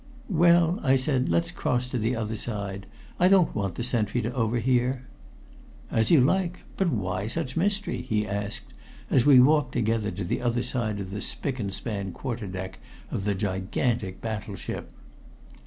"Well," I said, "let's cross to the other side. I don't want the sentry to overhear." "As you like but why such mystery?" he asked as we walked together to the other side of the spick and span quarter deck of the gigantic battleship.